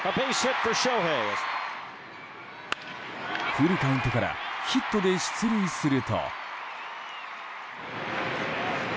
フルカウントからヒットで出塁すると。